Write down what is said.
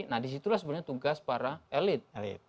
nah disitulah sebenarnya tugas para elit